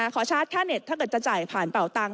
ชาร์จแค่เน็ตถ้าเกิดจะจ่ายผ่านเป่าตังค